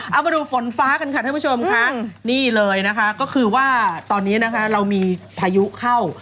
เอามาดูฝนฟ้ากันค่ะท่านผู้ชมค่ะนี่เลยนะคะก็คือว่าตอนนี้นะคะเรามีพายุเข้า